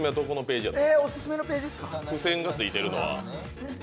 付箋がついてるのは？